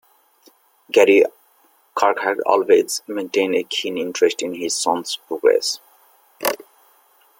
Gary Kirk had always maintained a keen interest in his son's progress.